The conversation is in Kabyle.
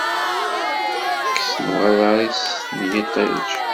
Tekkes nnwaḍer-is n yiṭij.